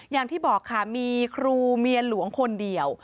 อย่างที่บอกค่ะมีครูเมียหลวงคนเดียว